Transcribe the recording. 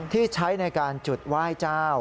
ที่ใช้ในการจุดไหว้เจ้า